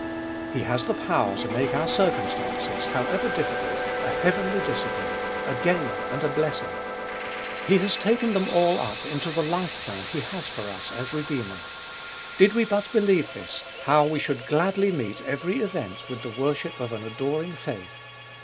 He has the power to make our circumstances, however difficult, a heavenly discipline, a gain and a blessing. He has taken them all up into the life plan He has for us as Redeemer. Did we but believe this, how we should gladly meet every event with the worship of an adoring faith.